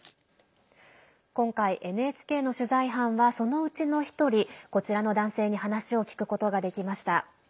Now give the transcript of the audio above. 今回、ＮＨＫの取材班はそのうちの１人こちらの男性に話を聞くことができました。